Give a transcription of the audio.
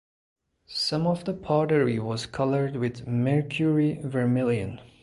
Some of the pottery was colored with mercury vermilion.